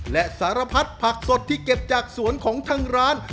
และสารพัดผักสดที่เก็บจากสวนของทางร้าน